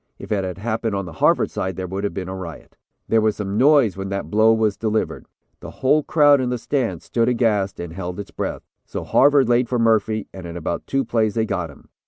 If it had happened on the Harvard side, there would have been a riot. There was some noise when that blow was delivered; the whole crowd in the stand stood aghast and held its breath. So Harvard laid for Murphy and in about two plays they got him.